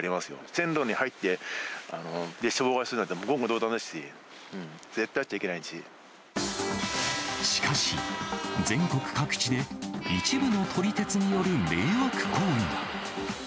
線路に入って列車を妨害するなんて、言語道断ですし、しかし、全国各地で、一部の撮り鉄による迷惑行為が。